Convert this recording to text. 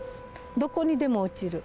どこにでも落ちる。